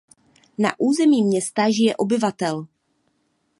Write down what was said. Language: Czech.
Na území města žije obyvatel.